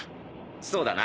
そうだな。